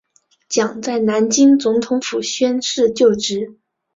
蒋在南京总统府宣誓就职。